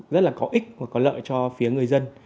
rất là có ích và có lợi cho phía người dân